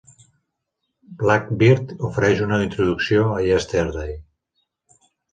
"Blackbird" ofereix una introducció a "Yesterday".